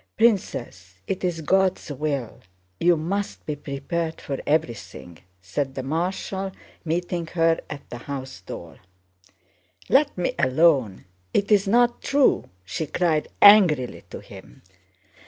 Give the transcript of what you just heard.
"Princess, it's God's will! You must be prepared for everything," said the Marshal, meeting her at the house door. "Let me alone; it's not true!" she cried angrily to him.